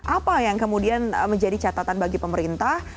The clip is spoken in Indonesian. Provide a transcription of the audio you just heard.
apa yang kemudian menjadi catatan bagi pemerintah